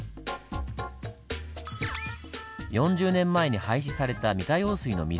４０年前に廃止された三田用水の水